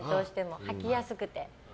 履きやすくて。